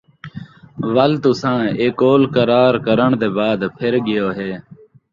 وَل تُساں اِیہ قول قرار کرݨ دے بعد پِھر ڳیوہے،